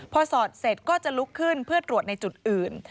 พอสอดเสร็จก็จะลุกขึ้นเพื่อตรวจในจุดอื่น